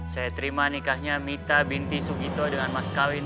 saya terima nikahnya mita binti sugito dengan mas kawin